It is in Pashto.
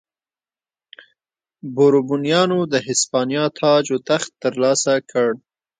بوروبونیانو د هسپانیا تاج و تخت ترلاسه کړ.